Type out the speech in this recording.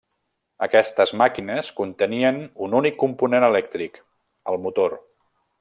Aquestes màquines contenien un únic component elèctric, el motor.